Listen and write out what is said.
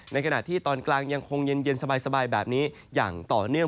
ในขณะที่ตอนกลางยังคงเย็นสบายแบบนี้อย่างต่อเนื่อง